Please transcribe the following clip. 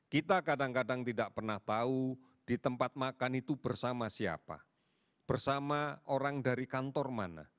kita kadang kadang tidak pernah tahu di tempat makan itu bersama siapa bersama orang dari kantor mana